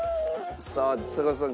さあちさ子さん